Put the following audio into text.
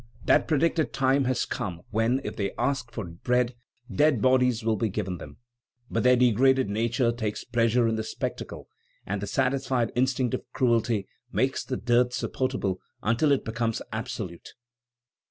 That predicted time has come when, if they ask for bread, dead bodies will be given them; but their degraded nature takes pleasure in the spectacle, and the satisfied instinct of cruelty makes the dearth supportable until it becomes absolute."